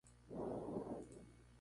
Se puede agregar chicharrón.